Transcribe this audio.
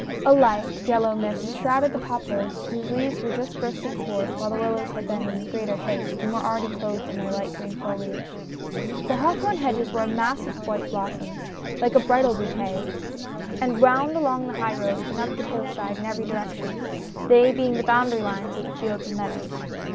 A light, yellow mist shrouded the poplars, whose leaves were just bursting forth, while the willows had been in greater haste, and were already clothed in their light green foliage. The hawthorn hedges were a mass of white blossoms — like a bridal bouquet — and wound along the highroad and up the hillside in every direc tion, they being the boundary lines of the fields and meadows.